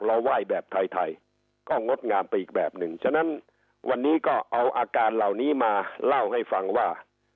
ไหว้แบบไทยไทยก็งดงามไปอีกแบบหนึ่งฉะนั้นวันนี้ก็เอาอาการเหล่านี้มาเล่าให้ฟังว่า